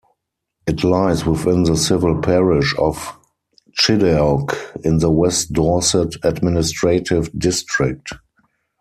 It lies within the civil parish of Chideock in the West Dorset administrative district.